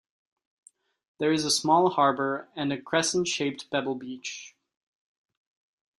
There is a small harbor and a crescent shaped pebble beach.